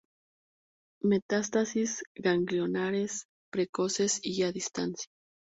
Metástasis ganglionares precoces y a distancia.